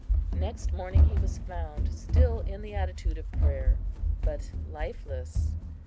Next morning he was found still in the attitude of prayer, but lifeless.